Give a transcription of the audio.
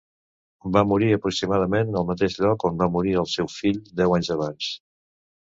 Va morir aproximadament al mateix lloc on va morir el seu fill, deu anys abans.